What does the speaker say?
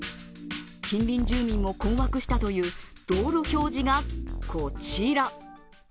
近隣住民も困惑したという道路標示がこちら。